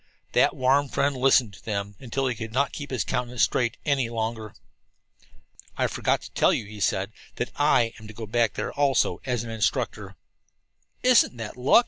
That warm friend listened to them until he could not keep his countenance straight any longer. "I forgot to tell you," he said, "that I am to go back there, also, as an instructor." "Isn't that luck!"